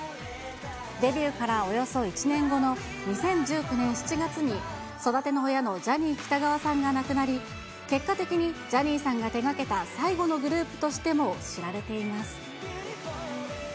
デビューからおよそ１年後の２０１９年７月に、育ての親のジャニー喜多川さんが亡くなり、結果的にジャニーさんが手がけた最後のグループとしても知られています。